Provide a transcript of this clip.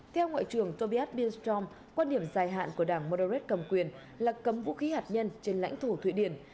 theo ngoại trưởng tobias bilstrom quan điểm dài hạn của đảng moderate cầm quyền là cấm vũ khí hạt nhân trên lãnh thổ thụy điển